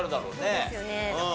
そうですよね。